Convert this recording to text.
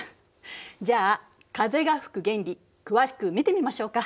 じゃあ風が吹く原理詳しく見てみましょうか。